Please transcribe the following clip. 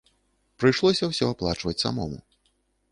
Прыйшлося ўсё аплачваць самому.